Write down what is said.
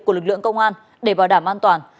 của lực lượng công an để bảo đảm an toàn